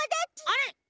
あれ？